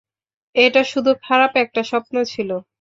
এটা শুধু খারাপ একটা স্বপ্ন ছিল!